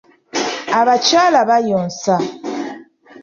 Abakyala bayonsa.